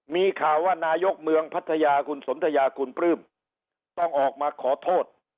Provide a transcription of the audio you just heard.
มีข่าวว่านายกเมืองพัทยาคุณสนทยาคุณปลื้มต้องออกมาขอโทษ